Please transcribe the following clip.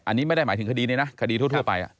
อันนี้ไม่ได้หมายถึงคดีนี้นะคดีทั่วไป